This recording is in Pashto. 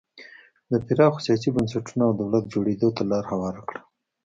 د پراخو سیاسي بنسټونو او دولت جوړېدو ته لار هواره کړه.